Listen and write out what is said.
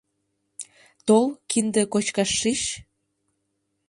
— Тол, кинде кочкаш шич.